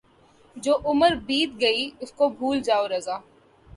جو عُمر بیت گئی اُس کو بھُول جاؤں رضاؔ